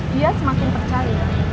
dia semakin percaya